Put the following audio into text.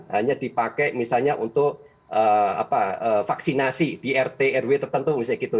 hanya dipakai misalnya untuk vaksinasi di rt rw tertentu misalnya gitu